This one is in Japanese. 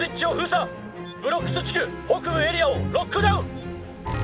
ブロックス地区北部エリアをロックダウン！